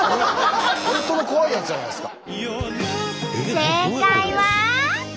本当の怖いやつじゃないですか。